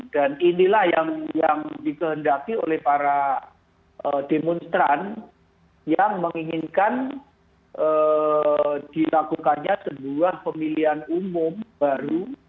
dan inilah yang dikehendaki oleh para demonstran yang menginginkan dilakukannya sebuah pemilihan umum baru